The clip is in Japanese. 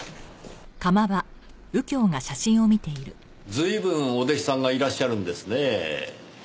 随分お弟子さんがいらっしゃるんですねぇ。